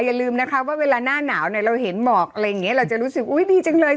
อย่าลืมเมื่อหน้าหนาวเห็นหมอกเราจะรู้สึกโดยดีจังเลย